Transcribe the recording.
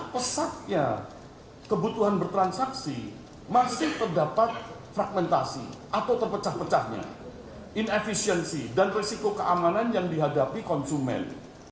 pesah pesahnya inefisiensi dan risiko keamanan yang dihadapi konsumen